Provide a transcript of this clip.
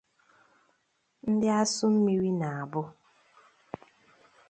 Ndị asụmmiri na-abụ